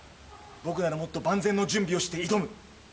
僕ならもっと万全の準備をして挑む。